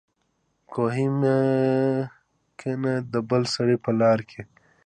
کوهي مه کينه دبل سړي په لار کي